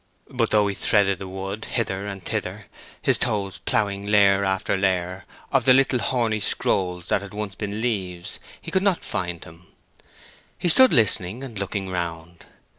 But though he threaded the wood hither and thither, his toes ploughing layer after layer of the little horny scrolls that had once been leaves, he could not find him. He stood still listening and looking round.